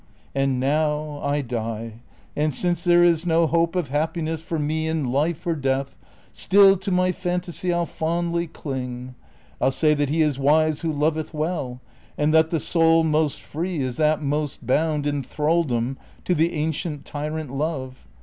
And now I die, and since there is no hope Of happiness for me in life or death, Still to my fantasy I '11 fondly cling. I '11 say that he is wise who loveth well, And that the soul most free is that most bound In thraldom to the ancient tyrant Love.